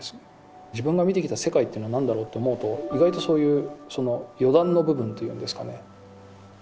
自分が見てきた世界っていうのは何だろうと思うと意外とそういうその余談の部分っていうんですかね